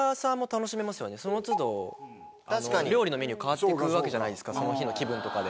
その都度料理のメニュー変わってくわけじゃないですかその日の気分とかで。